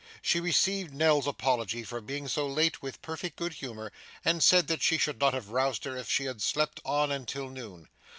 She received Nell's apology for being so late with perfect good humour, and said that she should not have roused her if she had slept on until noon.